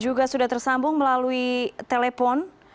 juga sudah tersambung melalui telepon